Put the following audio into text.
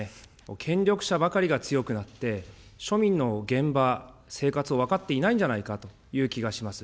権力者ばかりが強くなって、庶民の現場、生活を分かっていないんじゃないかという気がします。